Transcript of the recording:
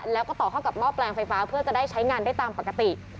แล้วก็ต่อเข้ากับหม้อแปลงไฟฟ้าเพื่อจะได้ใช้งานได้ตามปกติ